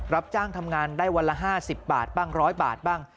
รับจ้างทำงานได้วันละ๕๐บาทบ้าง๑๐๐บาทบ้าง